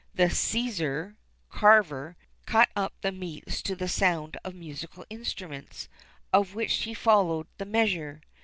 [XXXIII 20] The scissor (carver) cut up the meats to the sound of musical instruments, of which he followed the measure.